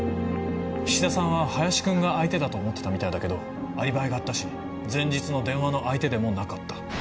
菱田さんは林君が相手だと思ってたみたいだけどアリバイがあったし前日の電話の相手でもなかった。